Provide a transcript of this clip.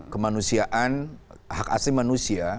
kemanusiaan hak asasi manusia